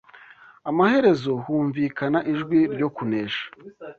Amaherezo humvikana ijwi ryo kunesha,